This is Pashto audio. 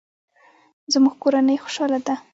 زموږ کورنۍ خوشحاله ده